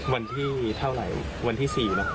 วันที่เท่าไหร่วันที่สี่เหรอ